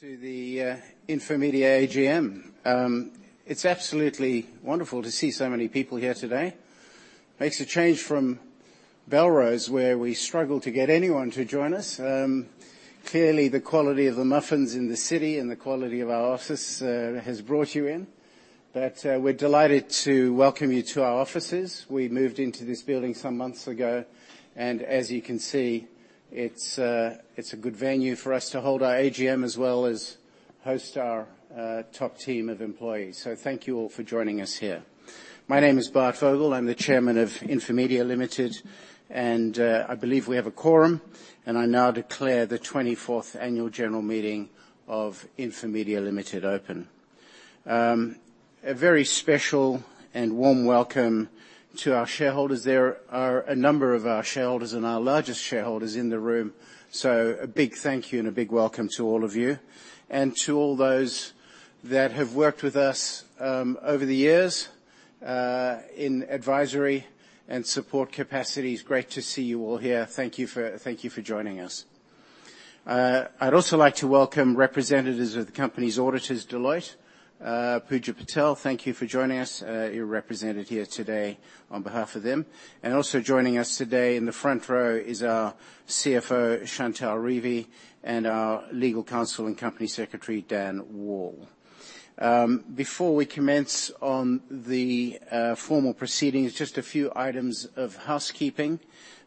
To the Infomedia AGM. It's absolutely wonderful to see so many people here today. Makes a change from Belrose, where we struggled to get anyone to join us. Clearly, the quality of the muffins in the city and the quality of our office has brought you in. But we're delighted to welcome you to our offices. We moved into this building some months ago, and as you can see, it's a good venue for us to hold our AGM as well as host our top team of employees. So thank you all for joining us here. My name is Bart Vogel. I'm the Chairman of Infomedia Limited, and I believe we have a quorum, and I now declare the 24th Annual General Meeting of Infomedia Limited open. A very special and warm welcome to our shareholders. There are a number of our shareholders and our largest shareholders in the room, so a big thank you and a big welcome to all of you. And to all those that have worked with us, over the years, in advisory and support capacities, great to see you all here. Thank you for, thank you for joining us. I'd also like to welcome representatives of the company's auditors, Deloitte. Puja Patel, thank you for joining us. You're represented here today on behalf of them. And also joining us today in the front row is our CFO, Chantell Revie, and our legal counsel and company secretary, Dan Wall. Before we commence on the formal proceedings, just a few items of housekeeping.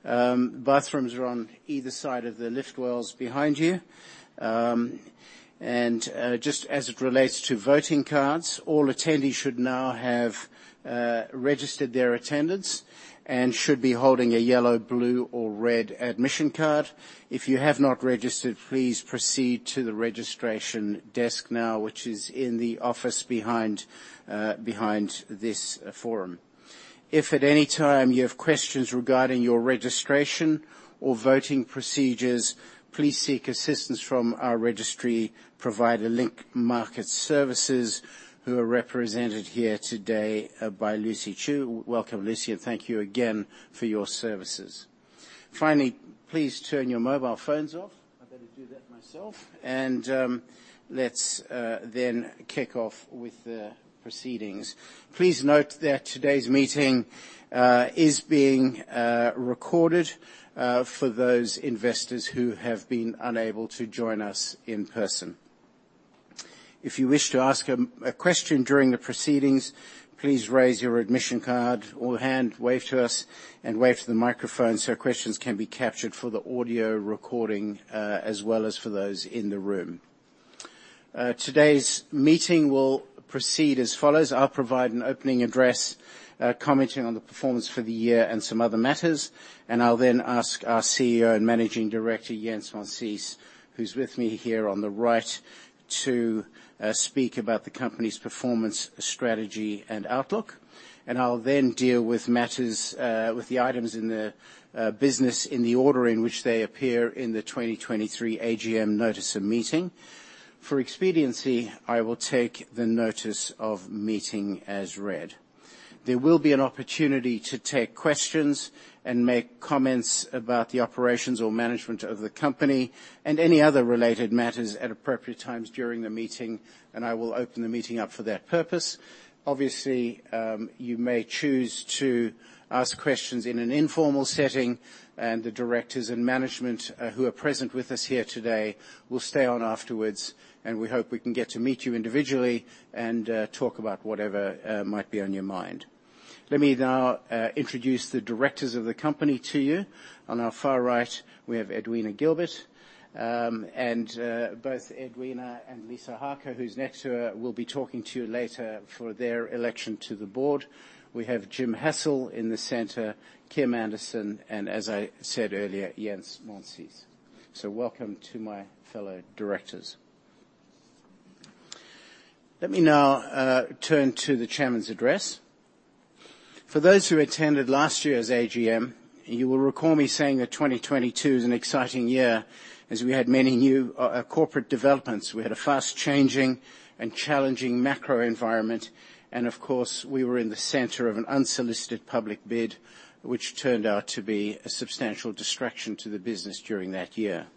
Bathrooms are on either side of the lift wells behind you. Just as it relates to voting cards, all attendees should now have registered their attendance and should be holding a yellow, blue, or red admission card. If you have not registered, please proceed to the registration desk now, which is in the office behind this forum. If at any time you have questions regarding your registration or voting procedures, please seek assistance from our registry provider, Link Market Services, who are represented here today by Lucy Chu. Welcome, Lucy, and thank you again for your services. Finally, please turn your mobile phones off. I better do that myself. Let's then kick off with the proceedings. Please note that today's meeting is being recorded for those investors who have been unable to join us in person. If you wish to ask a question during the proceedings, please raise your admission card or hand, wave to us, and wave to the microphone so questions can be captured for the audio recording, as well as for those in the room. Today's meeting will proceed as follows: I'll provide an opening address, commenting on the performance for the year and some other matters, and I'll then ask our CEO and Managing Director, Jens Monsees, who's with me here on the right, to speak about the company's performance, strategy, and outlook. I'll then deal with matters with the items in the business in the order in which they appear in the 2023 AGM notice of meeting. For expediency, I will take the notice of meeting as read. There will be an opportunity to take questions and make comments about the operations or management of the company and any other related matters at appropriate times during the meeting, and I will open the meeting up for that purpose. Obviously, you may choose to ask questions in an informal setting, and the directors and management, who are present with us here today will stay on afterwards, and we hope we can get to meet you individually and talk about whatever might be on your mind. Let me now introduce the directors of the company to you. On our far right, we have Edwina Gilbert. Both Edwina and Lisa Harker, who's next to her, will be talking to you later for their election to the board. We have Jim Hassell in the center, Kim Anderson, and as I said earlier, Jens Monsees. So welcome to my fellow directors. Let me now turn to the chairman's address. For those who attended last year's AGM, you will recall me saying that 2022 is an exciting year, as we had many new corporate developments. We had a fast-changing and challenging macro environment, and of course, we were in the center of an unsolicited public bid, which turned out to be a substantial distraction to the business during that year.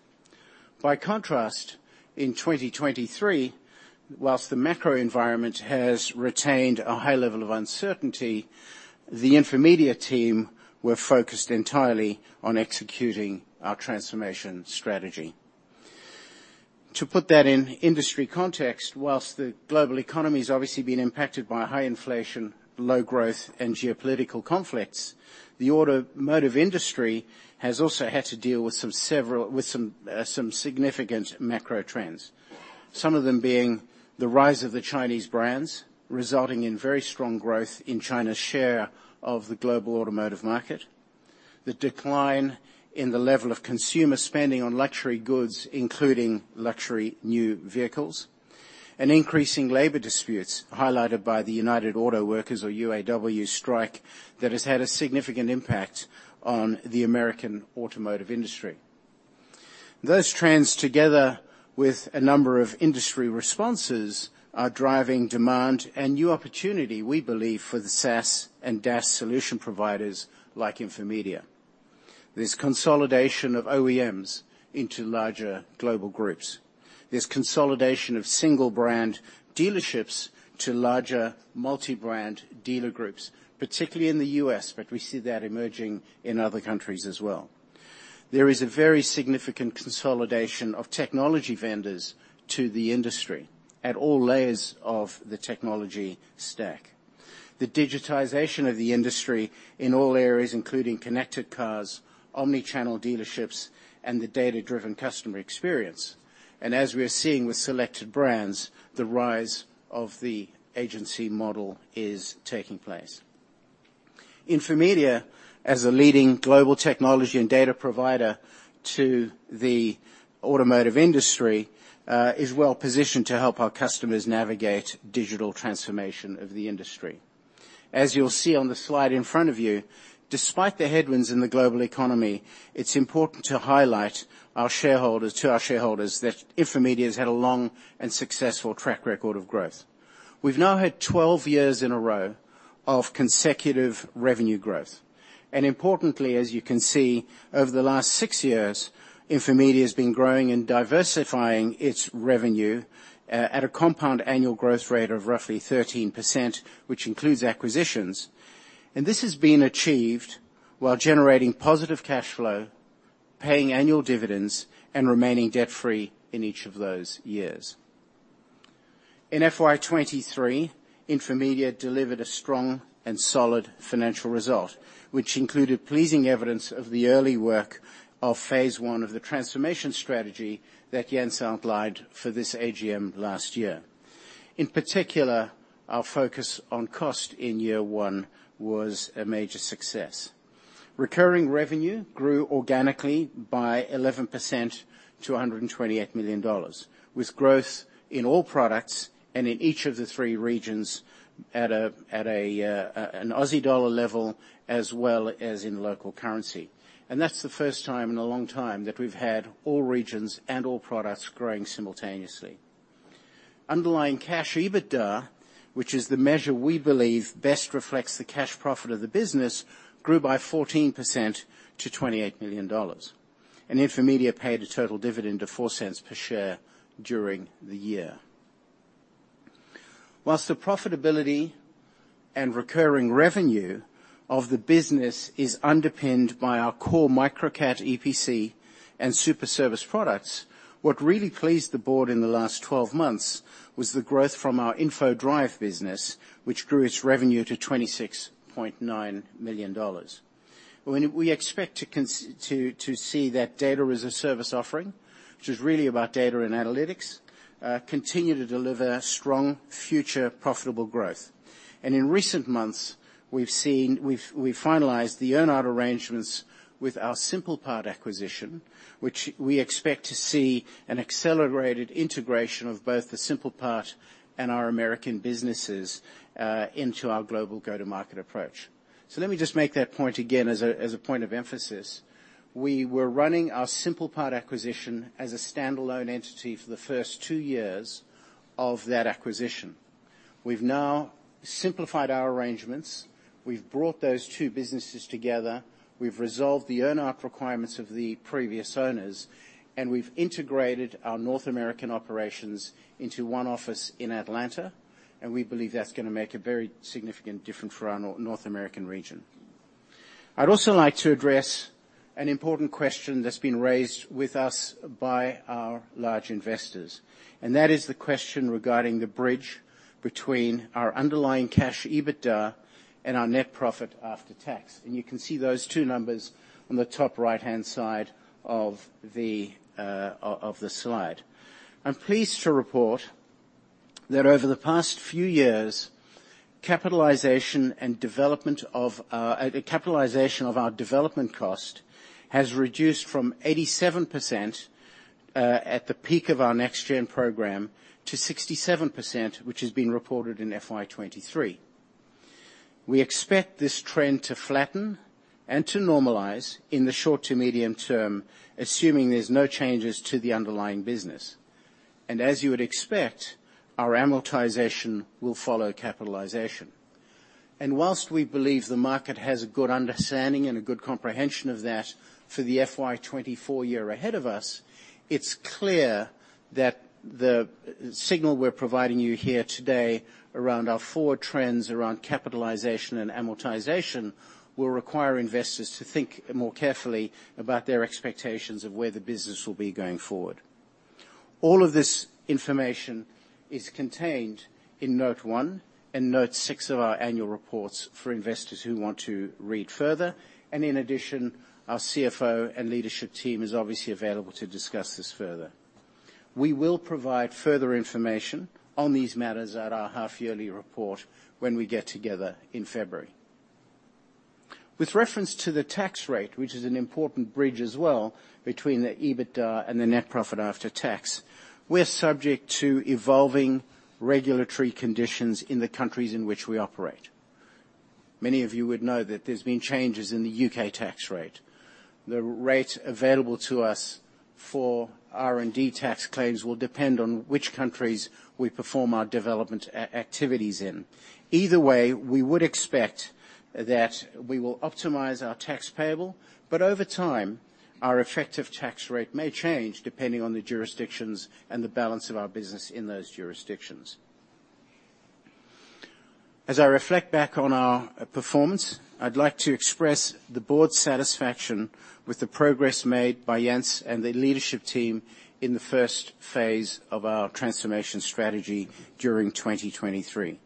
By contrast, in 2023, while the macro environment has retained a high level of uncertainty, the Infomedia team were focused entirely on executing our transformation strategy. To put that in industry context, while the global economy's obviously been impacted by high inflation, low growth, and geopolitical conflicts, the automotive industry has also had to deal with some significant macro trends. Some of them being the rise of the Chinese brands, resulting in very strong growth in China's share of the global automotive market. The decline in the level of consumer spending on luxury goods, including luxury new vehicles. And increasing labor disputes, highlighted by the United Auto Workers, or UAW, strike that has had a significant impact on the American automotive industry. Those trends, together with a number of industry responses, are driving demand and new opportunity, we believe, for the SaaS and DaaS solution providers like Infomedia. There's consolidation of OEMs into larger global groups. There's consolidation of single brand dealerships to larger multi-brand dealer groups, particularly in the U.S., but we see that emerging in other countries as well. There is a very significant consolidation of technology vendors to the industry at all layers of the technology stack. The digitization of the industry in all areas, including connected cars, omni-channel dealerships, and the data-driven customer experience, and as we are seeing with selected brands, the rise of the agency model is taking place. Infomedia, as a leading global technology and data provider to the automotive industry, is well positioned to help our customers navigate digital transformation of the industry. As you'll see on the slide in front of you, despite the headwinds in the global economy, it's important to highlight our shareholders, to our shareholders, that Infomedia's had a long and successful track record of growth. We've now had 12 years in a row of consecutive revenue growth. Importantly, as you can see, over the last 6 years, Infomedia's been growing and diversifying its revenue at a compound annual growth rate of roughly 13%, which includes acquisitions. And this has been achieved while generating positive cash flow, paying annual dividends, and remaining debt-free in each of those years. In FY 2023, Infomedia delivered a strong and solid financial result, which included pleasing evidence of the early work of phase I of the transformation strategy that Jens outlined for this AGM last year. In particular, our focus on cost in year one was a major success. Recurring revenue grew organically by 11% to 128 million dollars, with growth in all products and in each of the three regions at a, at a, an Aussie dollar level, as well as in local currency. And that's the first time in a long time that we've had all regions and all products growing simultaneously. Underlying cash EBITDA, which is the measure we believe best reflects the cash profit of the business, grew by 14% to 28 million dollars. Infomedia paid a total dividend of 0.04 per share during the year. While the profitability and recurring revenue of the business is underpinned by our core Microcat EPC and Superservice products, what really pleased the board in the last 12 months was the growth from our InfoDrive business, which grew its revenue to 26.9 million dollars. When we expect to continue to see that data as a service offering, which is really about data and analytics, continue to deliver strong future profitable growth. In recent months, we've seen—we've finalized the earn-out arrangements with our SimplePart acquisition, which we expect to see an accelerated integration of both the SimplePart and our American businesses into our global go-to-market approach. So let me just make that point again as a point of emphasis. We were running our SimplePart acquisition as a standalone entity for the first two years of that acquisition. We've now simplified our arrangements, we've brought those two businesses together, we've resolved the earn-out requirements of the previous owners, and we've integrated our North American operations into one office in Atlanta, and we believe that's gonna make a very significant difference for our North American region. I'd also like to address an important question that's been raised with us by our large investors, and that is the question regarding the bridge between our underlying cash EBITDA and our net profit after tax. You can see those two numbers on the top right-hand side of the slide. I'm pleased to report that over the past few years, capitalization and development of our capitalization of our development cost has reduced from 87%, at the peak of our next gen program, to 67%, which has been reported in FY 2023. We expect this trend to flatten and to normalize in the short to medium term, assuming there's no changes to the underlying business. As you would expect, our amortization will follow capitalization. While we believe the market has a good understanding and a good comprehension of that for the FY 2024 year ahead of us, it's clear that the signal we're providing you here today around our forward trends, around capitalization and amortization, will require investors to think more carefully about their expectations of where the business will be going forward. All of this information is contained in note 1 and note 6 of our annual reports for investors who want to read further, and in addition, our CFO and leadership team is obviously available to discuss this further. We will provide further information on these matters at our half-yearly report when we get together in February. With reference to the tax rate, which is an important bridge as well between the EBITDA and the net profit after tax, we're subject to evolving regulatory conditions in the countries in which we operate. Many of you would know that there's been changes in the U.K. tax rate. The rate available to us for R&D tax claims will depend on which countries we perform our development activities in. Either way, we would expect that we will optimize our tax payable, but over time, our effective tax rate may change depending on the jurisdictions and the balance of our business in those jurisdictions. As I reflect back on our performance, I'd like to express the board's satisfaction with the progress made by Jens and the leadership team in the first phase of our transformation strategy during 2023.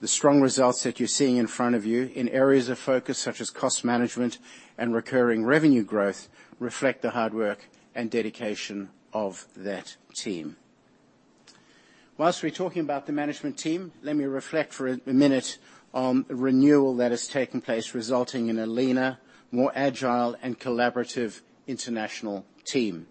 The strong results that you're seeing in front of you in areas of focus, such as cost management and recurring revenue growth, reflect the hard work and dedication of that team. While we're talking about the management team, let me reflect for a minute on the renewal that has taken place, resulting in a leaner, more agile, and collaborative international team.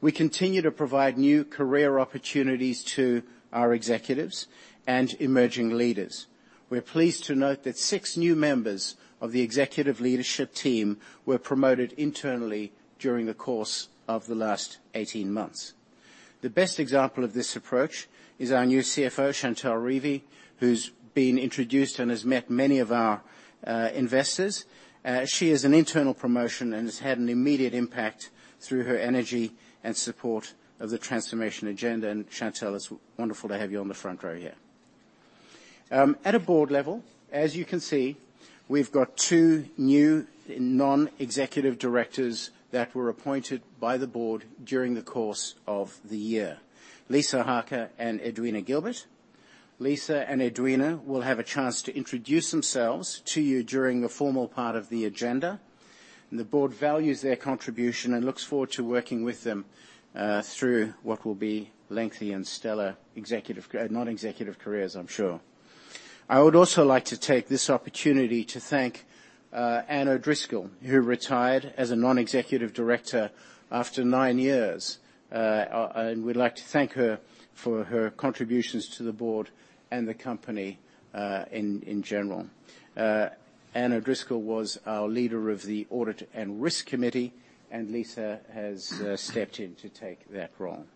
We continue to provide new career opportunities to our executives and emerging leaders. We're pleased to note that six new members of the executive leadership team were promoted internally during the course of the last 18 months. The best example of this approach is our new CFO, Chantell Revie, who's been introduced and has met many of our investors. She is an internal promotion and has had an immediate impact through her energy and support of the transformation agenda, and, Chantell, it's wonderful to have you on the front row here. At a board level, as you can see, we've got two new non-executive directors that were appointed by the board during the course of the year, Lisa Harker and Edwina Gilbert. Lisa and Edwina will have a chance to introduce themselves to you during the formal part of the agenda, and the board values their contribution and looks forward to working with them through what will be lengthy and stellar executive career, non-executive careers, I'm sure. I would also like to take this opportunity to thank Anne O'Driscoll, who retired as a non-executive director after nine years. and we'd like to thank her for her contributions to the board and the company, in general. Anne O'Driscoll was our leader of the Audit and Risk Committee, and Lisa has stepped in to take that role.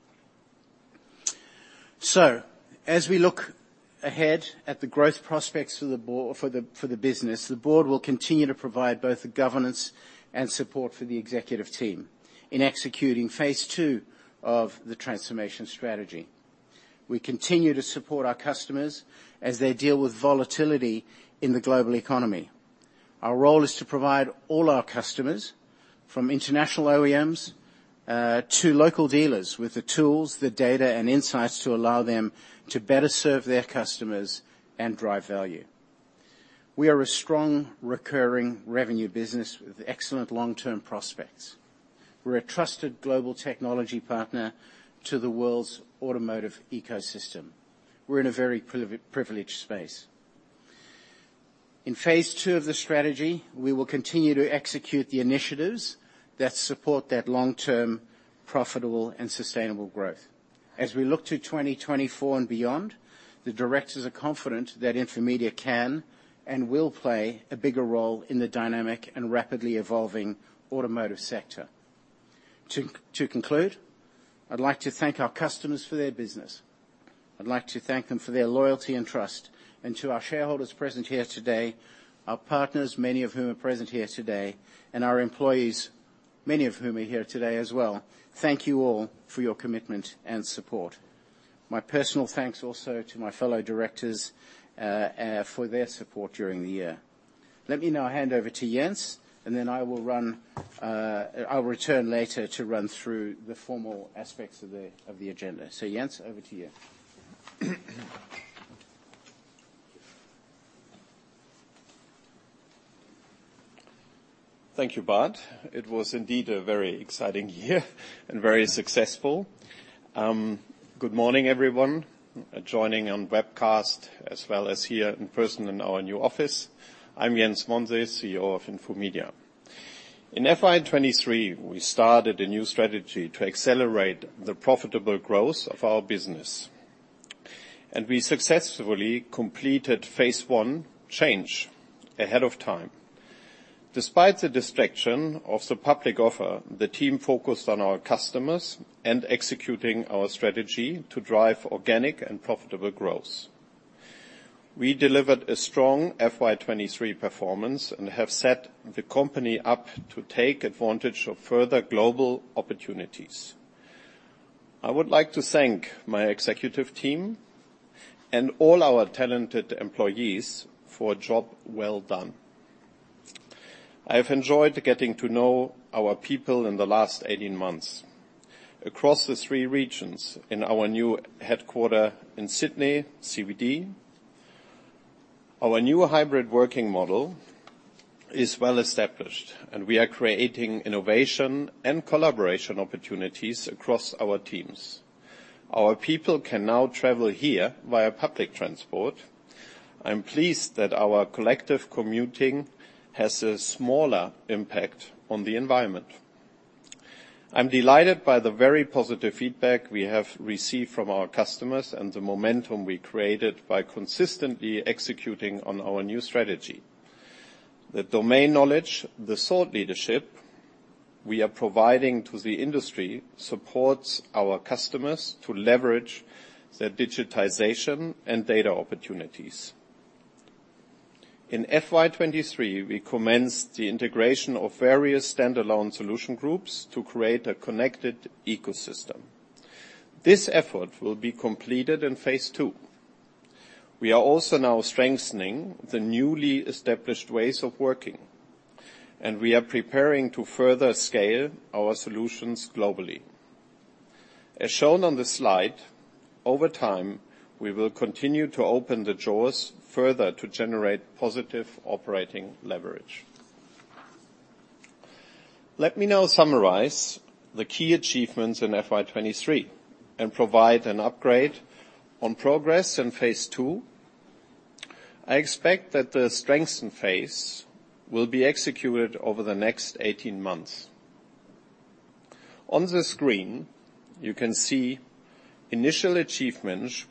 So as we look ahead at the growth prospects for the business, the board will continue to provide both the governance and support for the executive team in executing phase II of the transformation strategy. We continue to support our customers as they deal with volatility in the global economy. Our role is to provide all our customers, from international OEMs, to local dealers, with the tools, the data, and insights to allow them to better serve their customers and drive value. We are a strong, recurring revenue business with excellent long-term prospects. We're a trusted global technology partner to the world's automotive ecosystem. We're in a very privileged space. In phase II of the strategy, we will continue to execute the initiatives that support that long-term, profitable, and sustainable growth. As we look to 2024 and beyond, the directors are confident that Infomedia can and will play a bigger role in the dynamic and rapidly evolving automotive sector. To conclude, I'd like to thank our customers for their business. I'd like to thank them for their loyalty and trust, and to our shareholders present here today, our partners, many of whom are present here today, and our employees, many of whom are here today as well, thank you all for your commitment and support. My personal thanks also to my fellow directors for their support during the year. Let me now hand over to Jens, and then I will run, I'll return later to run through the formal aspects of the agenda. So, Jens, over to you. Thank you, Bart. It was indeed a very exciting year and very successful. Good morning, everyone, joining on webcast as well as here in person in our new office. I'm Jens Monsees, CEO of Infomedia. In FY23, we started a new strategy to accelerate the profitable growth of our business, and we successfully completed phase II, Change, ahead of time. Despite the distraction of the public offer, the team focused on our customers and executing our strategy to drive organic and profitable growth. We delivered a strong FY 2023 performance and have set the company up to take advantage of further global opportunities. I would like to thank my executive teaM&All our talented employees for a job well done. I have enjoyed getting to know our people in the last 18 months. Across the three regions, in our new headquarters in Sydney CBD, our new hybrid working model is well-established, and we are creating innovation and collaboration opportunities across our teams. Our people can now travel here via public transport. I'm pleased that our collective commuting has a smaller impact on the environment. I'm delighted by the very positive feedback we have received from our customers, and the momentum we created by consistently executing on our new strategy. The domain knowledge, the thought leadership we are providing to the industry supports our customers to leverage their digitization and data opportunities. In FY 2023, we commenced the integration of various standalone solution groups to create a connected ecosystem. This effort will be completed in phase II. We are also now strengthening the newly established ways of working, and we are preparing to further scale our solutions globally. As shown on the slide, over time, we will continue to open the doors further to generate positive operating leverage. Let me now summarize the key achievements in FY 2023 and provide an upgrade on progress in phase II. I expect that the strengthen phase will be executed over the next 18 months. On the screen, you can see initial achievements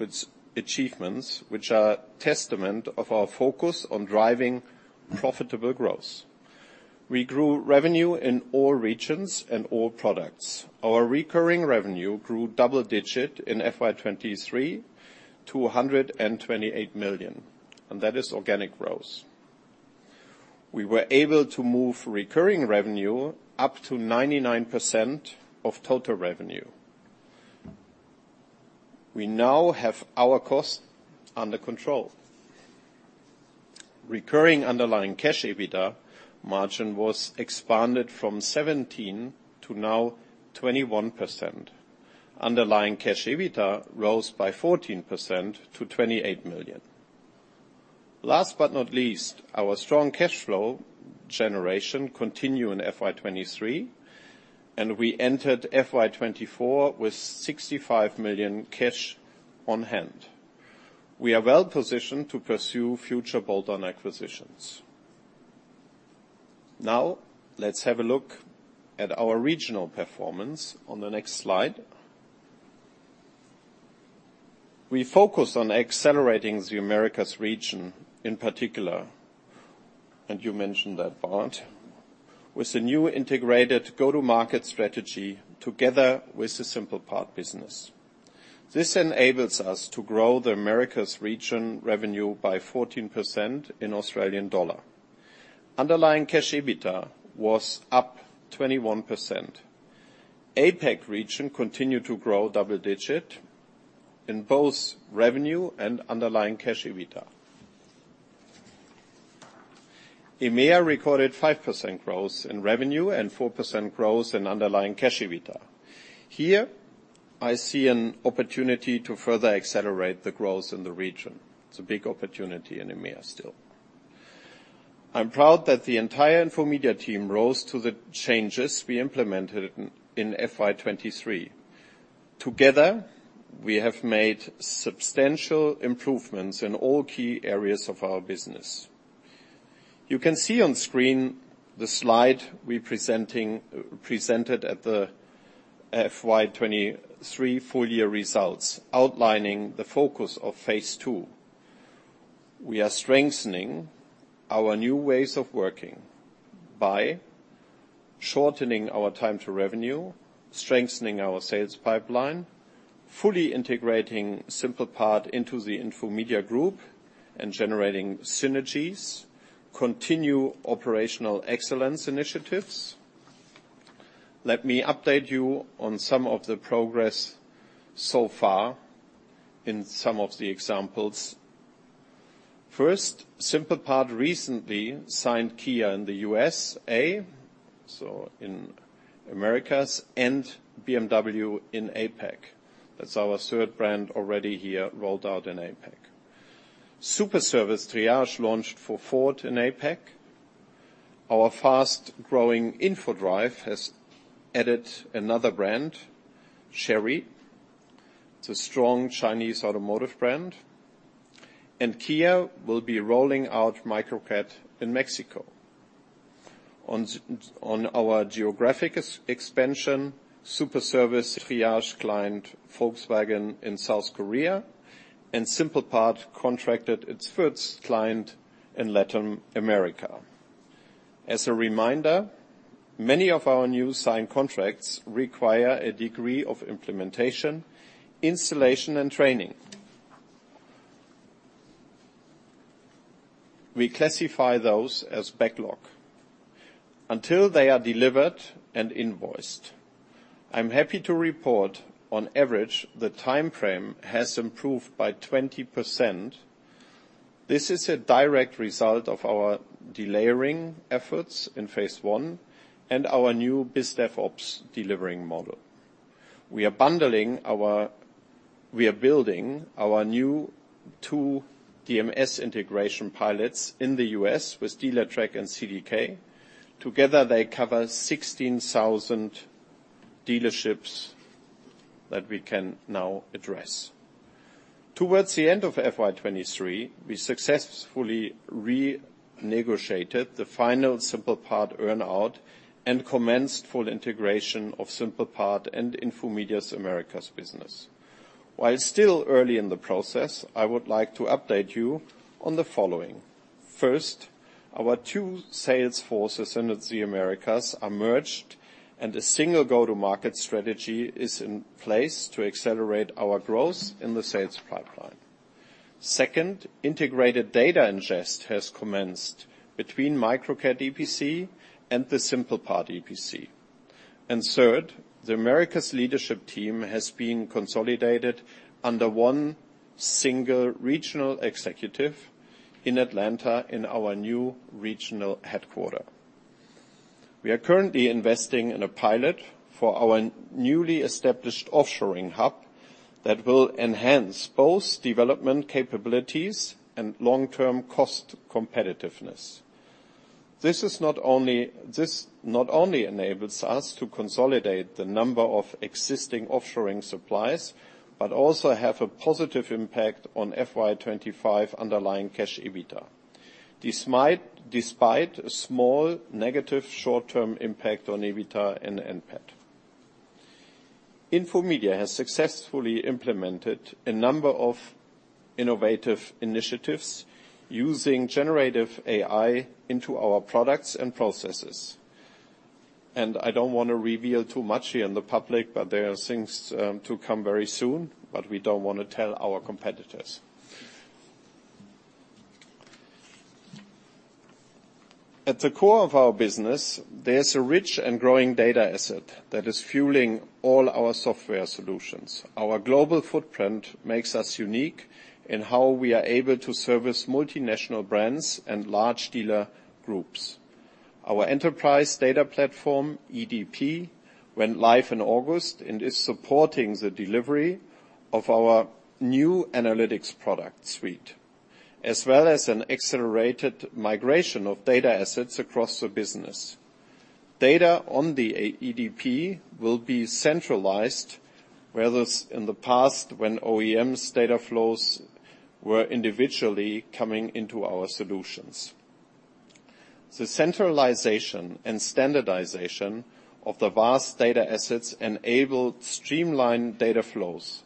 which are testament of our focus on driving profitable growth. We grew revenue in all regions and all products. Our recurring revenue grew double digit in FY 2023 to 128 million, and that is organic growth. We were able to move recurring revenue up to 99% of total revenue. We now have our costs under control. Recurring underlying cash EBITDA margin was expanded from 17% to now 21%. Underlying cash EBITDA rose by 14% to 28 million. Last but not least, our strong cash flow generation continued in FY 2023, and we entered FY 2024 with 65 million cash on hand. We are well positioned to pursue future bolt-on acquisitions. Now, let's have a look at our regional performance on the next slide. We focus on accelerating the Americas region, in particular, and you mentioned that, Bart, with a new integrated go-to-market strategy together with the SimplePart business. This enables us to grow the Americas region revenue by 14% in Australian dollar. Underlying cash EBITDA was up 21%. APAC region continued to grow double-digit in both revenue and underlying cash EBITDA. EMEA recorded 5% growth in revenue and 4% growth in underlying cash EBITDA. Here, I see an opportunity to further accelerate the growth in the region. It's a big opportunity in EMEA still. I'm proud that the entire Infomedia team rose to the changes we implemented in FY 2023. Together, we have made substantial improvements in all key areas of our business. You can see on screen the slide we presented at the FY 2023 full year results, outlining the focus of phase II. We are strengthening our new ways of working by shortening our time to revenue, strengthening our sales pipeline, fully integrating SimplePart into the Infomedia group and generating synergies, continue operational excellence initiatives. Let me update you on some of the progress so far in some of the examples. First, SimplePart recently signed Kia in the USA, so in Americas, and BMW in APAC. That's our third brand already here, rolled out in APAC. Superservice Triage launched for Ford in APAC. Our fast-growing INFODRIVE has added another brand, Chery. It's a strong Chinese automotive brand. Kia will be rolling out Microcat in Mexico. On our geographic expansion, Superservice Triage client, Volkswagen, in South Korea, and SimplePart contracted its first client in Latin America. As a reminder, many of our new signed contracts require a degree of implementation, installation, and training. We classify those as backlog until they are delivered and invoiced. I'm happy to report, on average, the timeframe has improved by 20%. This is a direct result of our delayering efforts in phase I and our new BizDevOps delivering model. We are building our new 2 DMS integration pilots in the U.S. with Dealertrack and CDK. Together, they cover 16,000 dealerships that we can now address. Towards the end of FY 2023, we successfully renegotiated the final SimplePart earn-out and commenced full integration of SimplePart and Infomedia's Americas business. While still early in the process, I would like to update you on the following. First, our two sales forces in the Americas are merged, and a single go-to-market strategy is in place to accelerate our growth in the sales pipeline. Second, integrated data ingest has commenced between Microcat EPC and the SimplePart EPC. And third, the Americas leadership team has been consolidated under one single regional executive in Atlanta, in our new regional headquarters. We are currently investing in a pilot for our newly established offshoring hub that will enhance both development capabilities and long-term cost competitiveness. This not only enables us to consolidate the number of existing offshoring suppliers, but also have a positive impact on FY 2025 underlying cash EBITDA, despite a small negative short-term impact on EBITDA and NPAT. Infomedia has successfully implemented a number of innovative initiatives using generative AI into our products and processes. And I don't wanna reveal too much here in the public, but there are things to come very soon, but we don't wanna tell our competitors. At the core of our business, there's a rich and growing data asset that is fueling all our software solutions. Our global footprint makes us unique in how we are able to service multinational brands and large dealer groups. Our Enterprise Data Platform, EDP, went live in August, and is supporting the delivery of our new analytics product suite, as well as an accelerated migration of data assets across the business. Data on the EDP will be centralized, whereas in the past, when OEMs data flows were individually coming into our solutions. The centralization and standardization of the vast data assets enabled streamlined data flows,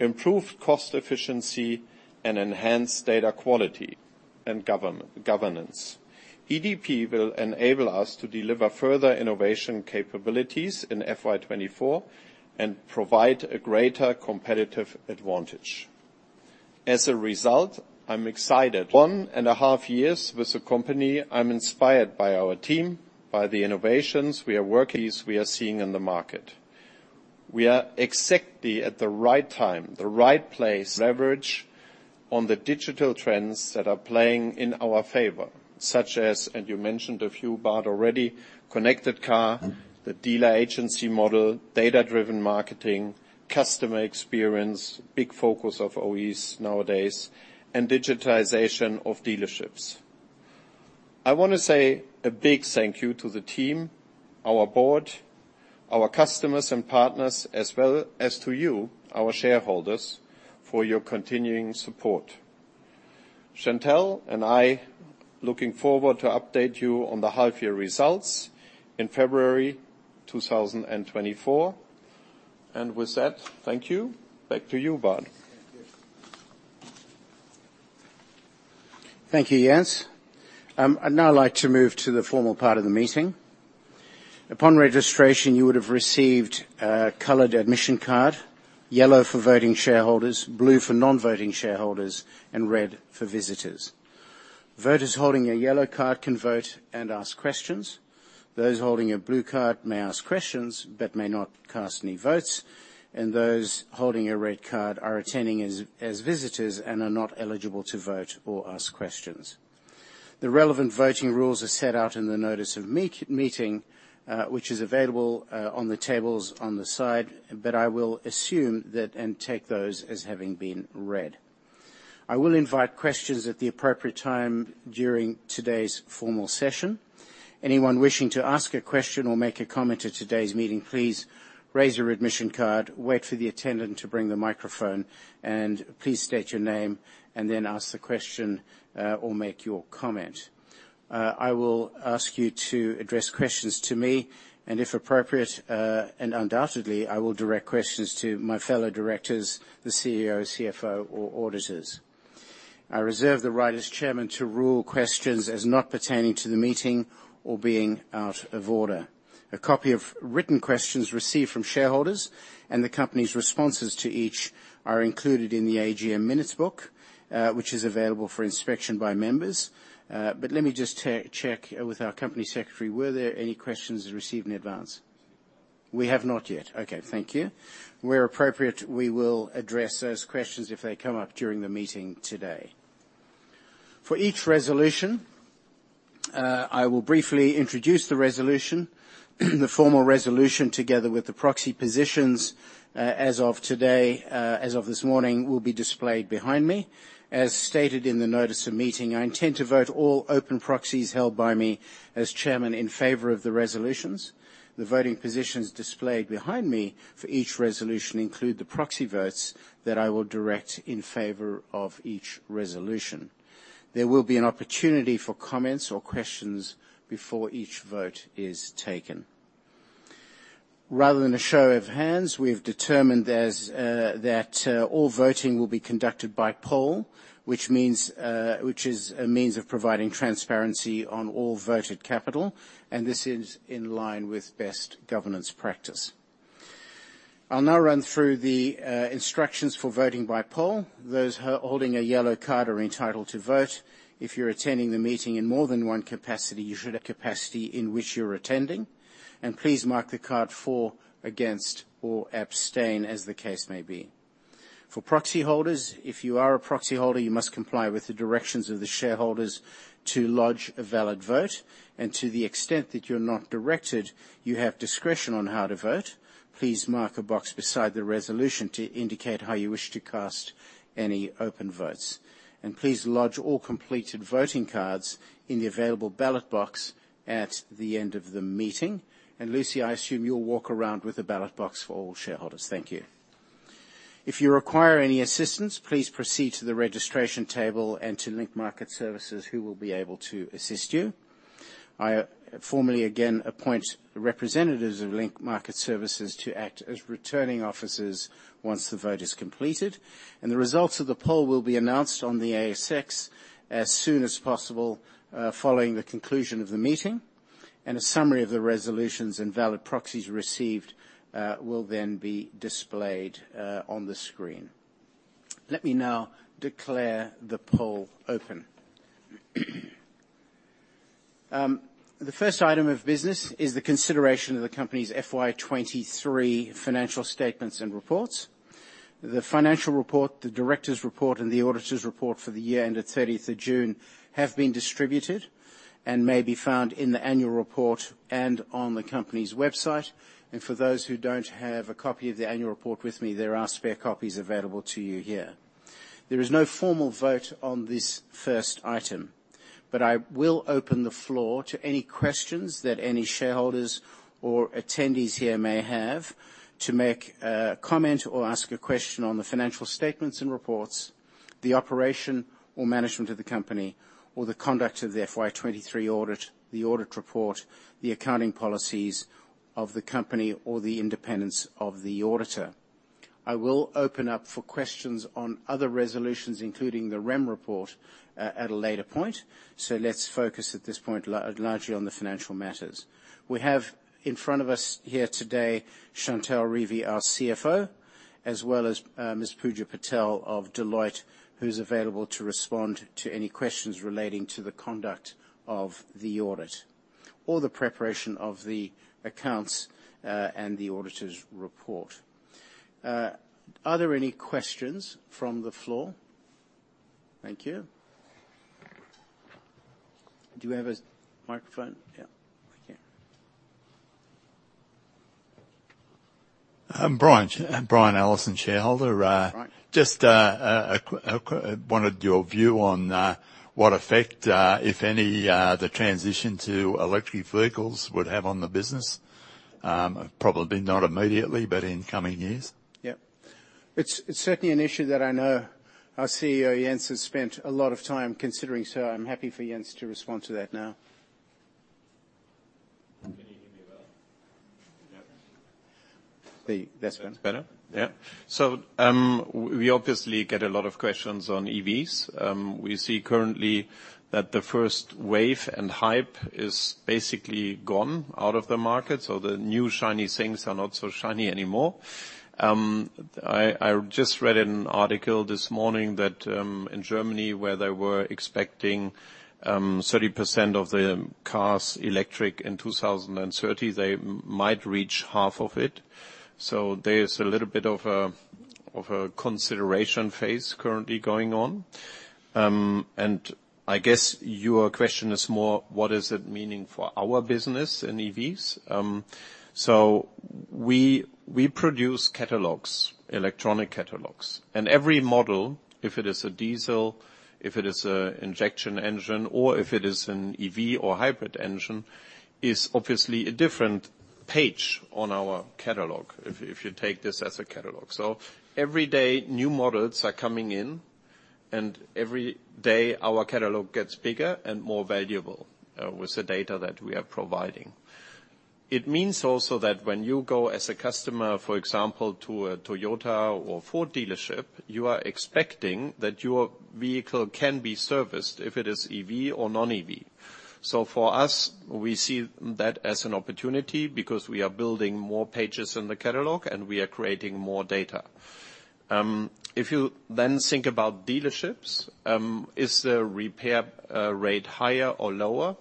improved cost efficiency, and enhanced data quality and governance. EDP will enable us to deliver further innovation capabilities in FY 2024, and provide a greater competitive advantage. As a result, I'm excited. 1.5 years with the company, I'm inspired by our team, by the innovations we are working, we are seeing in the market. We are exactly at the right time, the right place, leverage on the digital trends that are playing in our favor, such as, and you mentioned a few, Bart, already, connected car, the dealer agency model, data-driven marketing, customer experience, big focus of OEs nowadays, and digitization of dealerships. I wanna say a big thank you to the team, our board, our customers and partners, as well as to you, our shareholders, for your continuing support. Chantell and I looking forward to update you on the half-year results in February 2024. With that, thank you. Back to you, Bart. Thank you. Thank you, Jens. I'd now like to move to the formal part of the meeting. Upon registration, you would have received a colored admission card, yellow for voting shareholders, blue for non-voting shareholders, and red for visitors. Voters holding a yellow card can vote and ask questions. Those holding a blue card may ask questions, but may not cast any votes, and those holding a red card are attending as visitors and are not eligible to vote or ask questions. The relevant voting rules are set out in the notice of meeting, which is available on the tables on the side, but I will assume that and take those as having been read. I will invite questions at the appropriate time during today's formal session. Anyone wishing to ask a question or make a comment to today's meeting, please raise your admission card, wait for the attendant to bring the microphone, and please state your name, and then ask the question or make your comment. I will ask you to address questions to me, and if appropriate, and undoubtedly, I will direct questions to my fellow directors, the CEO, CFO, or auditors. I reserve the right, as chairman, to rule questions as not pertaining to the meeting or being out of order. A copy of written questions received from shareholders and the company's responses to each are included in the AGM minutes book, which is available for inspection by members. But let me just check with our company secretary, were there any questions received in advance? We have not yet. Okay, thank you. Where appropriate, we will address those questions if they come up during the meeting today. For each resolution, I will briefly introduce the resolution. The formal resolution, together with the proxy positions, as of today, as of this morning, will be displayed behind me. As stated in the notice of meeting, I intend to vote all open proxies held by me as Chairman in favor of the resolutions. The voting positions displayed behind me for each resolution include the proxy votes that I will direct in favor of each resolution. There will be an opportunity for comments or questions before each vote is taken. Rather than a show of hands, we've determined that all voting will be conducted by poll, which means, which is a means of providing transparency on all voted capital, and this is in line with best governance practice. I'll now run through the instructions for voting by poll. Those holding a yellow card are entitled to vote. If you're attending the meeting in more than one capacity, you should capacity in which you're attending, and please mark the card for, against, or abstain, as the case may be. For proxy holders, if you are a proxy holder, you must comply with the directions of the shareholders to lodge a valid vote, and to the extent that you're not directed, you have discretion on how to vote. Please mark a box beside the resolution to indicate how you wish to cast any open votes. And please lodge all completed voting cards in the available ballot box at the end of the meeting. And Lucy, I assume you'll walk around with a ballot box for all shareholders. Thank you. If you require any assistance, please proceed to the registration table and to Link Market Services, who will be able to assist you. I formally again appoint the representatives of Link Market Services to act as returning officers once the vote is completed. The results of the poll will be announced on the ASX as soon as possible, following the conclusion of the meeting, and a summary of the resolutions and valid proxies received, will then be displayed, on the screen. Let me now declare the poll open. The first item of business is the consideration of the company's FY 2023 financial statements and reports. The financial report, the director's report, and the auditor's report for the year ended 30th of June have been distributed, and may be found in the annual report and on the company's website. For those who don't have a copy of the annual report with me, there are spare copies available to you here. There is no formal vote on this first item, but I will open the floor to any questions that any shareholders or attendees here may have, to make a comment or ask a question on the financial statements and reports, the operation or management of the company, or the conduct of the FY 2023 audit, the audit report, the accounting policies of the company, or the independence of the auditor. I will open up for questions on other resolutions, including the remuneration report, at a later point, so let's focus at this point largely on the financial matters. We have in front of us here today, Chantell Revie, our CFO, as well as, Ms. Puja Patel of Deloitte, who's available to respond to any questions relating to the conduct of the audit or the preparation of the accounts, and the auditor's report. Are there any questions from the floor? Thank you. Do you have a microphone? Yeah. Thank you. Brian, Brian Allison, shareholder. Right. Just wanted your view on what effect, if any, the transition to electric vehicles would have on the business? Probably not immediately, but in coming years. Yeah. It's certainly an issue that I know our CEO, Jens, has spent a lot of time considering, so I'm happy for Jens to respond to that now. Can you hear me well? Yep. That's better. Better? Yeah. So, we obviously get a lot of questions on EVs. We see currently that the first wave and hype is basically gone out of the market, so the new shiny things are not so shiny anymore. I just read an article this morning that, in Germany, where they were expecting, 30% of the cars electric in 2030, they might reach half of it. So there is a little bit of a, of a consideration phase currently going on. And I guess your question is more, what is it meaning for our business in EVs? So we, we produce catalogs, electronic catalogs. Every model, if it is a diesel, if it is an injection engine, or if it is an EV or hybrid engine, is obviously a different page on our catalog, if you take this as a catalog. So every day, new models are coming in, and every day, our catalog gets bigger and more valuable with the data that we are providing. It means also that when you go as a customer, for example, to a Toyota or Ford dealership, you are expecting that your vehicle can be serviced if it is EV or non-EV. So for us, we see that as an opportunity because we are building more pages in the catalog, and we are creating more data. If you then think about dealerships, is the repair rate higher or lower?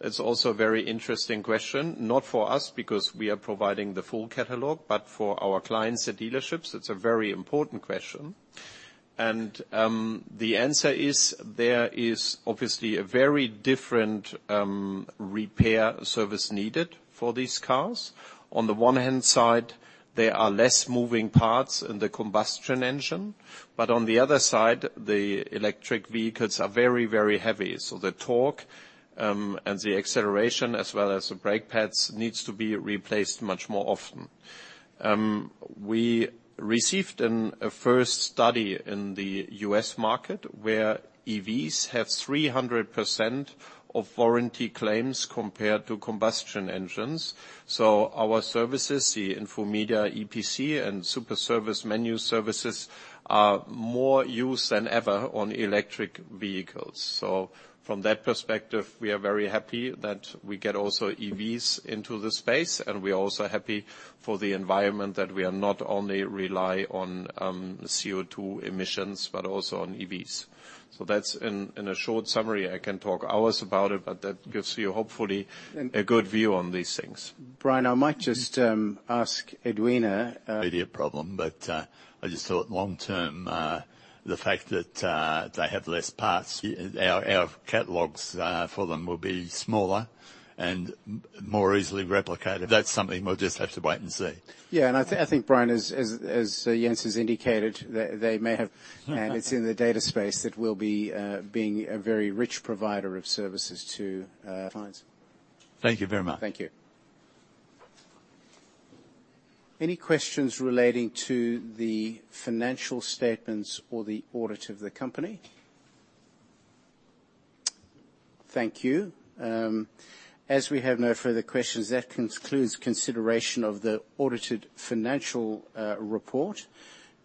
It's also a very interesting question, not for us, because we are providing the full catalog, but for our clients, the dealerships, it's a very important question. And, the answer is, there is obviously a very different, repair service needed for these cars. On the one hand side, there are less moving parts in the combustion engine, but on the other side, the electric vehicles are very, very heavy, so the torque, and the acceleration, as well as the brake pads, needs to be replaced much more often. We received a first study in the U.S. market, where EVs have 300% of warranty claims compared to combustion engines. So our services, the Infomedia EPC, and Superservice Menus services, are more used than ever on electric vehicles. So from that perspective, we are very happy that we get also EVs into the space, and we are also happy for the environment, that we are not only rely on, CO2 emissions, but also on EVs. So that's in a short summary. I can talk hours about it, but that gives you, hopefully, a good view on these things. Brian, I might just ask Edwina- immediate problem, but I just thought long term, the fact that they have less parts, our catalogs for them will be smaller and more easily replicated. That's something we'll just have to wait and see. Yeah, and I think, Brian, as Jens has indicated, they may have and it's in the data space that we'll be being a very rich provider of services to clients. Thank you very much. Thank you. Any questions relating to the financial statements or the audit of the company? Thank you. As we have no further questions, that concludes consideration of the audited financial report.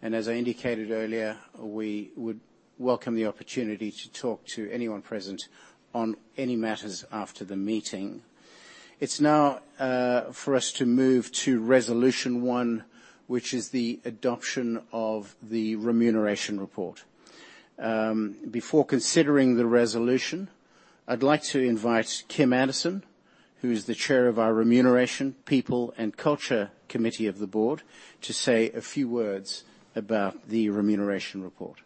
As I indicated earlier, we would welcome the opportunity to talk to anyone present on any matters after the meeting. It's now for us to move to resolution one, which is the adoption of the remuneration report. Before considering the resolution, I'd like to invite Kim Anderson, who is the chair of our Remuneration, People, and Culture Committee of the board, to say a few words about the remuneration report.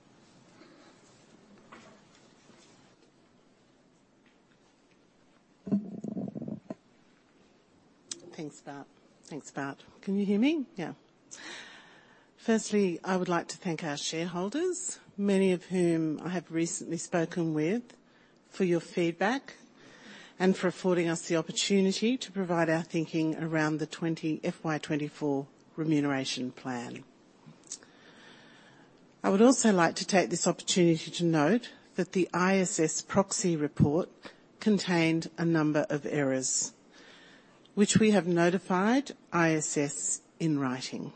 Thanks, Bart. Thanks, Bart. Can you hear me? Yeah. Firstly, I would like to thank our shareholders, many of whom I have recently spoken with, for your feedback and for affording us the opportunity to provide our thinking around the FY 2024 remuneration plan. I would also like to take this opportunity to note that the ISS proxy report contained a number of errors, which we have notified ISS in writing.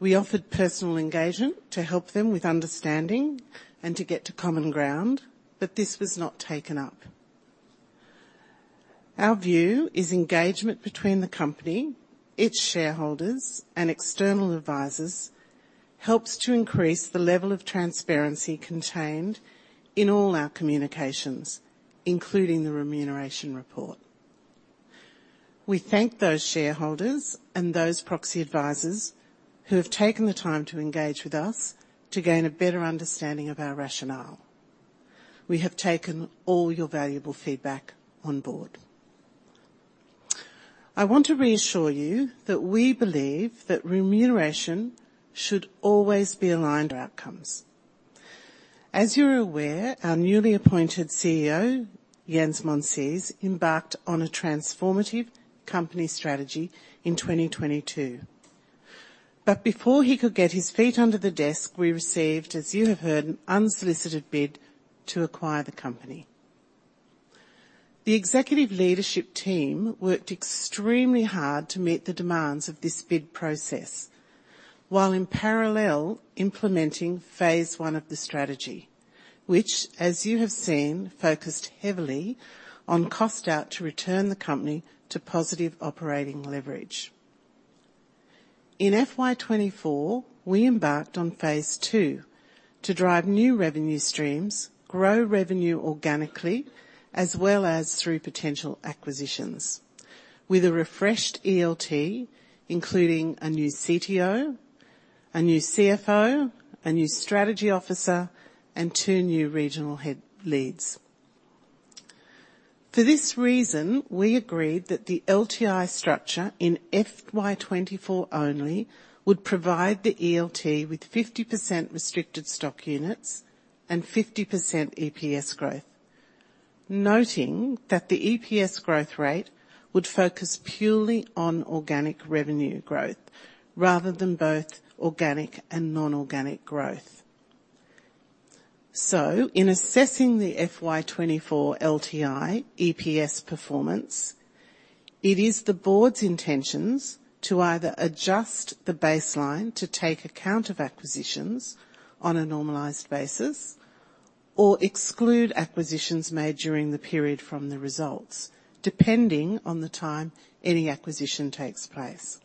We offered personal engagement to help them with understanding and to get to common ground, but this was not taken up. Our view is engagement between the company, its shareholders, and external advisors helps to increase the level of transparency contained in all our communications, including the remuneration report. We thank those shareholders and those proxy advisors who have taken the time to engage with us to gain a better understanding of our rationale. We have taken all your valuable feedback on board. I want to reassure you that we believe that remuneration should always be aligned to outcomes. As you're aware, our newly appointed CEO, Jens Monsees, embarked on a transformative company strategy in 2022. But before he could get his feet under the desk, we received, as you have heard, an unsolicited bid to acquire the company. The executive leadership team worked extremely hard to meet the demands of this bid process, while in parallel, implementing phase I of the strategy, which, as you have seen, focused heavily on cost out to return the company to positive operating leverage. In FY 2024, we embarked on phase II, to drive new revenue streams, grow revenue organically, as well as through potential acquisitions, with a refreshed ELT, including a new CTO, a new CFO, a new strategy officer, and 2 new regional head leads. For this reason, we agreed that the LTI structure in FY 2024 only would provide the ELT with 50% restricted stock units and 50% EPS growth, noting that the EPS growth rate would focus purely on organic revenue growth, rather than both organic and non-organic growth. So in assessing the FY 2024 LTI EPS performance, it is the board's intentions to either adjust the baseline to take account of acquisitions on a normalized basis or exclude acquisitions made during the period from the results, depending on the time any acquisition takes place.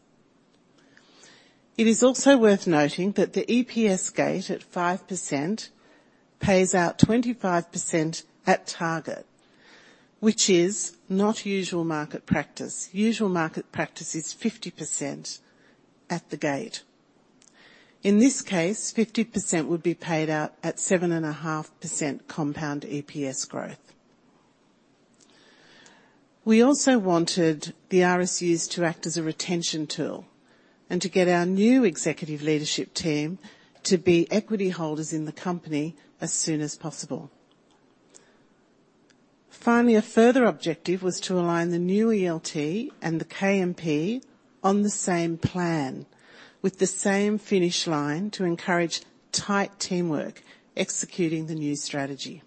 It is also worth noting that the EPS gate at 5% pays out 25% at target, which is not usual market practice. Usual market practice is 50% at the gate. In this case, 50% would be paid out at 7.5% compound EPS growth. We also wanted the RSUs to act as a retention tool and to get our new executive leadership team to be equity holders in the company as soon as possible. Finally, a further objective was to align the new ELT and the KMP on the same plan, with the same finish line, to encourage tight teamwork executing the new strategy.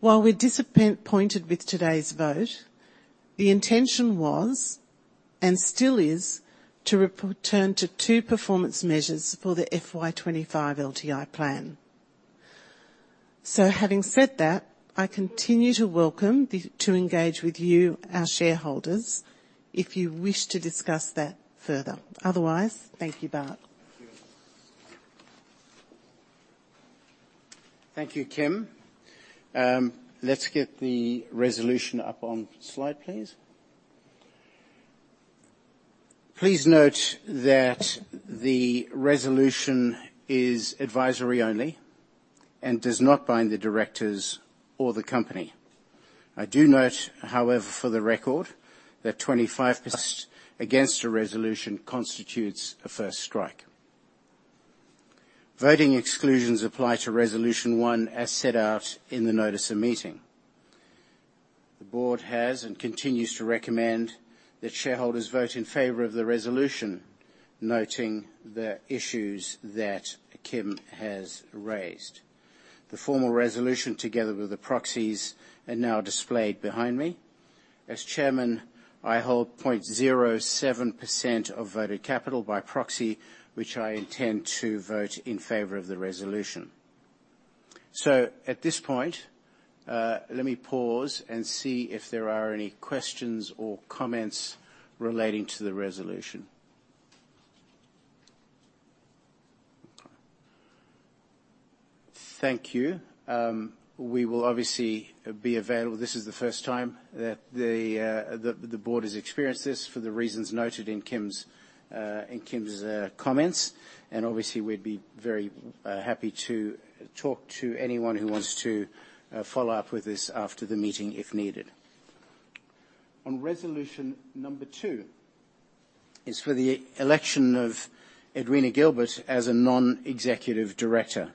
While we're disappointed with today's vote, the intention was, and still is, to return to two performance measures for the FY 2025 LTI plan. So having said that, I continue to welcome to engage with you, our shareholders, if you wish to discuss that further. Otherwise, thank you, Bart. Thank you. Thank you, Kim. Let's get the resolution up on the slide, please. Please note that the resolution is advisory only and does not bind the directors or the company. I do note, however, for the record, that 25% against a resolution constitutes a first strike. Voting exclusions apply to resolution one, as set out in the notice of meeting. The board has and continues to recommend that shareholders vote in favor of the resolution, noting the issues that Kim has raised. The formal resolution, together with the proxies, are now displayed behind me. As Chairman, I hold 0.07% of voted capital by proxy, which I intend to vote in favor of the resolution. So at this point, let me pause and see if there are any questions or comments relating to the resolution. Thank you. We will obviously be available. This is the first time that the board has experienced this, for the reasons noted in Kim's comments. Obviously, we'd be very happy to talk to anyone who wants to follow up with this after the meeting, if needed. On resolution number two is for the election of Edwina Gilbert as a non-executive director.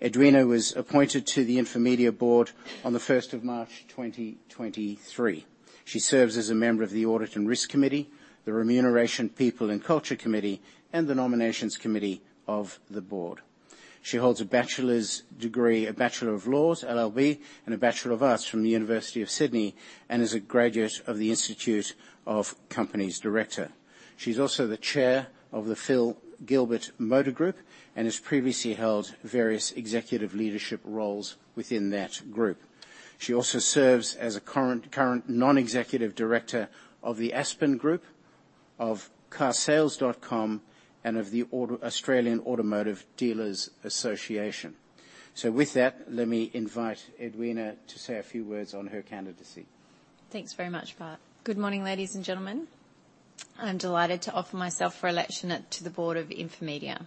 Edwina was appointed to the Infomedia board on the first of March, 2023. She serves as a member of the Audit and Risk Committee, the Remuneration, People and Culture Committee, and the Nominations Committee of the board. She holds a bachelor's degree, a Bachelor of Laws, LLB, and a Bachelor of Arts from the University of Sydney, and is a graduate of the Institute of Company Directors. She's also the chair of the Phil Gilbert Motor Group, and has previously held various executive leadership roles within that group. She also serves as a current non-executive director of the Aspen Group, of Carsales.com, and of the Australian Automotive Dealer Association. So with that, let me invite Edwina to say a few words on her candidacy. Thanks very much, Bart. Good morning, ladies and gentlemen. I'm delighted to offer myself for election to the board of Infomedia.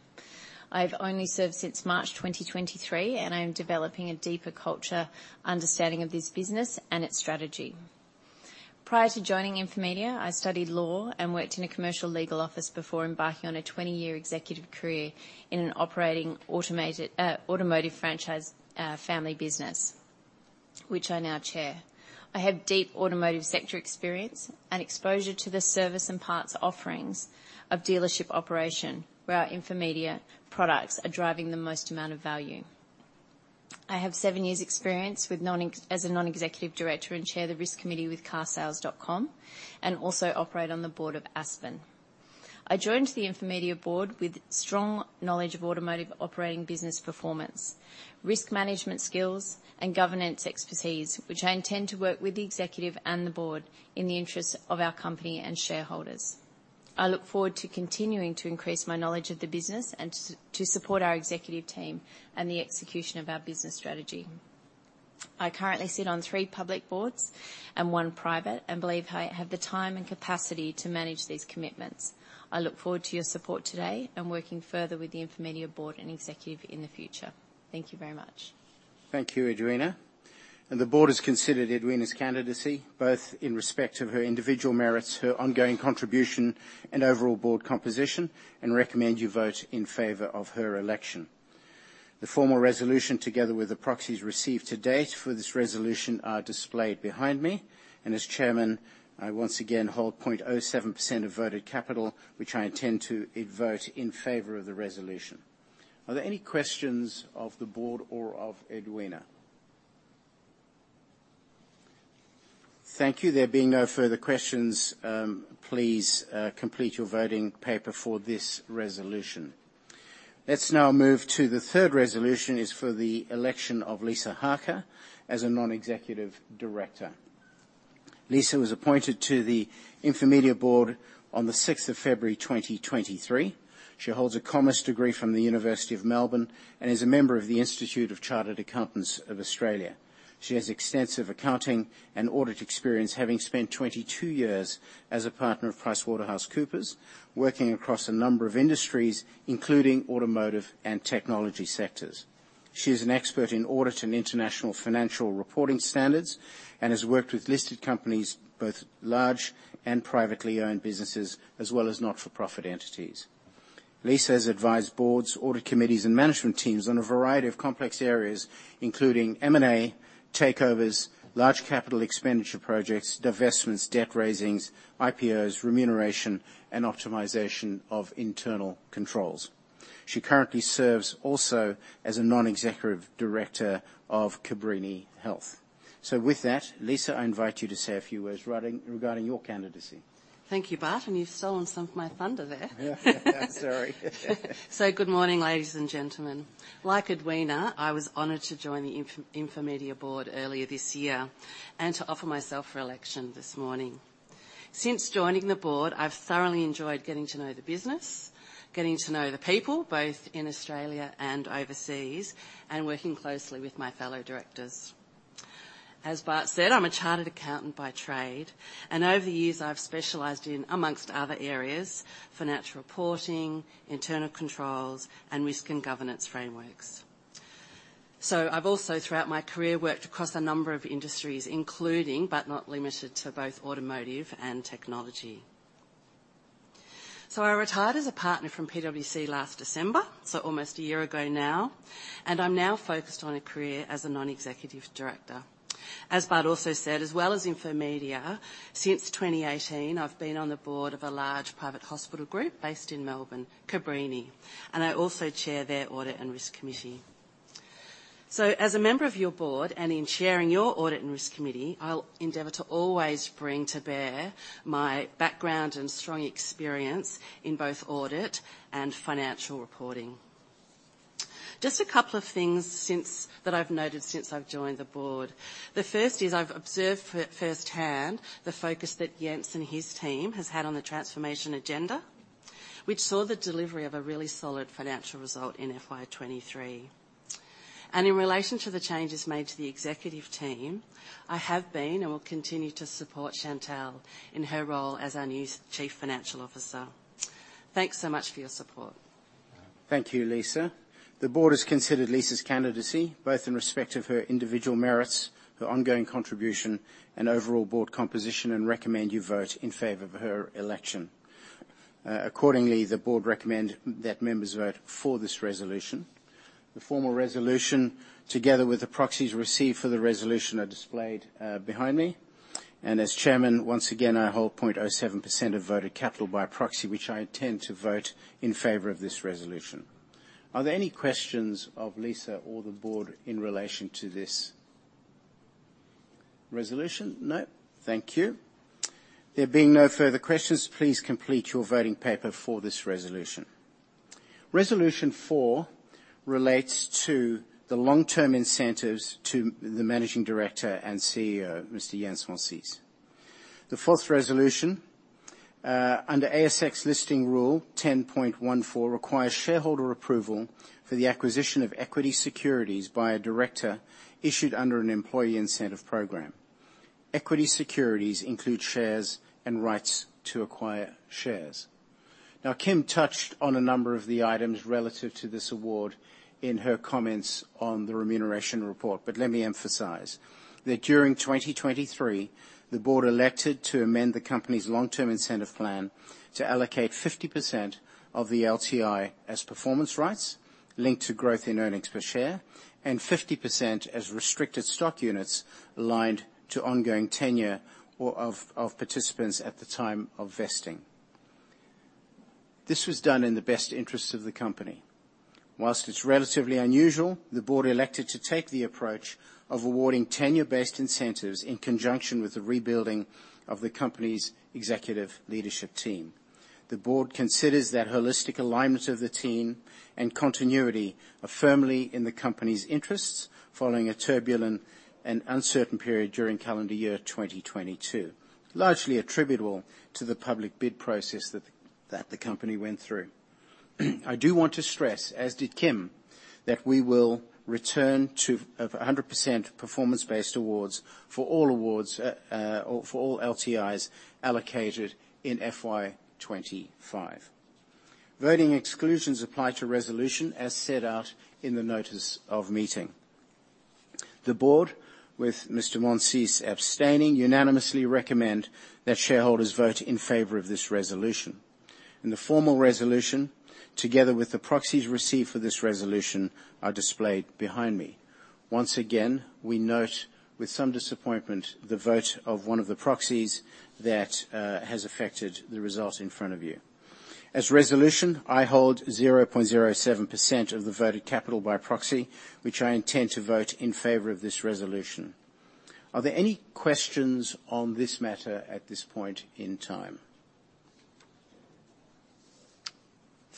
I've only served since March 2023, and I'm developing a deeper cultural understanding of this business and its strategy. Prior to joining Infomedia, I studied law and worked in a commercial legal office before embarking on a 20-year executive career in an operating automotive franchise family business, which I now chair. I have deep automotive sector experience and exposure to the service and parts offerings of dealership operation, where our Infomedia products are driving the most amount of value. I have 7 years' experience as a non-executive director and chair of the Risk Committee with Carsales.com, and also operate on the board of Aspen. I joined the Infomedia board with strong knowledge of automotive operating business performance, risk management skills, and governance expertise, which I intend to work with the executive and the board in the interests of our company and shareholders. I look forward to continuing to increase my knowledge of the business and to support our executive team and the execution of our business strategy. I currently sit on three public boards and one private, and believe I have the time and capacity to manage these commitments. I look forward to your support today and working further with the Infomedia board and executive in the future. Thank you very much. Thank you, Edwina. The board has considered Edwina's candidacy, both in respect of her individual merits, her ongoing contribution, and overall board composition, and recommend you vote in favor of her election. The formal resolution, together with the proxies received to date for this resolution, are displayed behind me. As Chairman, I once again hold 0.07% of voted capital, which I intend to vote in favor of the resolution. Are there any questions of the board or of Edwina? Thank you. There being no further questions, please, complete your voting paper for this resolution. Let's now move to the third resolution, is for the election of Lisa Harker as a Non-Executive Director. Lisa was appointed to the Infomedia board on the sixth of February 2023. She holds a commerce degree from the University of Melbourne, and is a member of the Institute of Chartered Accountants of Australia. She has extensive accounting and audit experience, having spent 22 years as a partner of PricewaterhouseCoopers, working across a number of industries, including automotive and technology sectors. She is an expert in audit and international financial reporting standards, and has worked with listed companies, both large and privately owned businesses, as well as not-for-profit entities.... Lisa has advised boards, audit committees, and management teams on a variety of complex areas, including M&A, takeovers, large capital expenditure projects, divestments, debt raisings, IPOs, remuneration, and optimization of internal controls. She currently serves also as a non-executive director of Cabrini Health. With that, Lisa, I invite you to say a few words regarding, regarding your candidacy. Thank you, Bart, and you've stolen some of my thunder there. Yeah, sorry. So good morning, ladies and gentlemen. Like Edwina, I was honored to join the Infomedia board earlier this year and to offer myself for election this morning. Since joining the board, I've thoroughly enjoyed getting to know the business, getting to know the people, both in Australia and overseas, and working closely with my fellow directors. As Bart said, I'm a chartered accountant by trade, and over the years I've specialized in, among other areas, financial reporting, internal controls, and risk and governance frameworks. So I've also, throughout my career, worked across a number of industries, including, but not limited to, both automotive and technology. So I retired as a partner from PwC last December, so almost a year ago now, and I'm now focused on a career as a non-executive director. As Bart also said, as well as Infomedia, since 2018, I've been on the board of a large private hospital group based in Melbourne, Cabrini, and I also chair their Audit and Risk Committee. So as a member of your board, and in chairing your Audit and Risk Committee, I'll endeavor to always bring to bear my background and strong experience in both audit and financial reporting. Just a couple of things that I've noted since I've joined the board. The first is I've observed firsthand the focus that Jens and his team has had on the transformation agenda, which saw the delivery of a really solid financial result in FY 2023. And in relation to the changes made to the executive team, I have been and will continue to support Chantell in her role as our new Chief Financial Officer. Thanks so much for your support. Thank you, Lisa. The board has considered Lisa's candidacy, both in respect of her individual merits, her ongoing contribution, and overall board composition, and recommend you vote in favor of her election. Accordingly, the board recommend that members vote for this resolution. The formal resolution, together with the proxies received for the resolution, are displayed, behind me. As chairman, once again, I hold 0.07% of voted capital by proxy, which I intend to vote in favor of this resolution. Are there any questions of Lisa or the board in relation to this resolution? No. Thank you. There being no further questions, please complete your voting paper for this resolution. Resolution 4 relates to the long-term incentives to the Managing Director and CEO, Mr. Jens Monsees. The fourth resolution under ASX listing rule 10.14 requires shareholder approval for the acquisition of equity securities by a director issued under an employee incentive program. Equity securities include shares and rights to acquire shares. Now, Kim touched on a number of the items relative to this award in her comments on the remuneration report, but let me emphasize that during 2023, the board elected to amend the company's long-term incentive plan to allocate 50% of the LTI as performance rights linked to growth in earnings per share, and 50% as restricted stock units aligned to ongoing tenure of participants at the time of vesting. This was done in the best interest of the company. While it's relatively unusual, the board elected to take the approach of awarding tenure-based incentives in conjunction with the rebuilding of the company's executive leadership team. The board considers that holistic alignment of the team and continuity are firmly in the company's interests, following a turbulent and uncertain period during calendar year 2022, largely attributable to the public bid process that the company went through. I do want to stress, as did Kim, that we will return to 100% performance-based awards for all awards, or for all LTIs allocated in FY 2025. Voting exclusions apply to resolution, as set out in the notice of meeting. The board, with Mr. Monsees abstaining, unanimously recommend that shareholders vote in favor of this resolution, and the formal resolution, together with the proxies received for this resolution, are displayed behind me. Once again, we note with some disappointment, the vote of one of the proxies that has affected the result in front of you. As resolution, I hold 0.07% of the voted capital by proxy, which I intend to vote in favor of this resolution. Are there any questions on this matter at this point in time?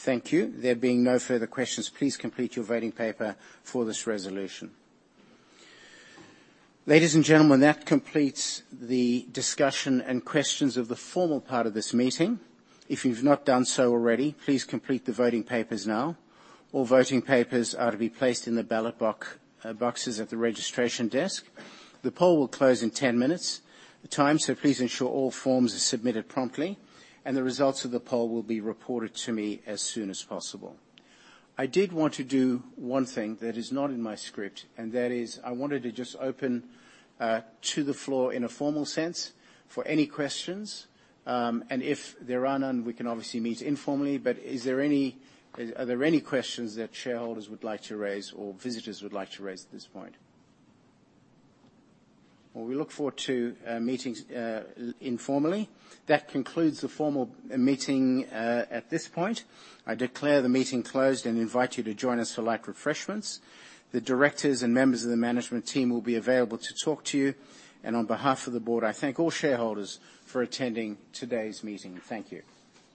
Thank you. There being no further questions, please complete your voting paper for this resolution. Ladies and gentlemen, that completes the discussion and questions of the formal part of this meeting. If you've not done so already, please complete the voting papers now. All voting papers are to be placed in the ballot box, boxes at the registration desk. The poll will close in 10 minutes time, so please ensure all forms are submitted promptly, and the results of the poll will be reported to me as soon as possible. I did want to do one thing that is not in my script, and that is, I wanted to just open to the floor in a formal sense for any questions. And if there are none, we can obviously meet informally, but is there any... Are there any questions that shareholders would like to raise or visitors would like to raise at this point? Well, we look forward to meeting informally. That concludes the formal meeting at this point. I declare the meeting closed and invite you to join us for light refreshments. The directors and members of the management team will be available to talk to you, and on behalf of the board, I thank all shareholders for attending today's meeting. Thank you.